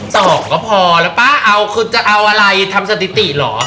สองก็พอแล้วป้าเอาคือจะเอาอะไรทำสถิติเหรอ